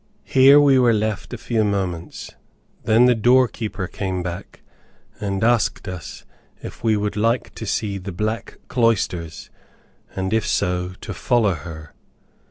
Here we were left a few moments, then the door keeper came back, and asked us if we would like to see the Black Cloisters; and if so, to follow her.